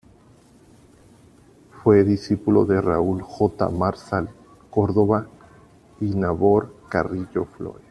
Fue discípulo de Raúl J. Marsal Córdoba y Nabor Carrillo Flores.